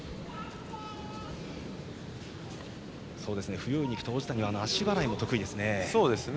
不用意に行くと、王子谷は足技も得意ですね。